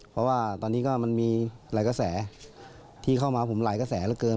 เพราะว่าตอนนี้ก็มันมีหลายกระแสที่เข้ามาผมหลายกระแสเหลือเกิน